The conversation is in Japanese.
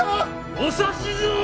お指図を！